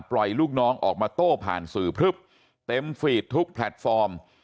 ลูกน้องออกมาโต้ผ่านสื่อพลึบเต็มฟีดทุกแพลตฟอร์ม